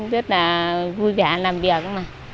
và vui vẻ làm việc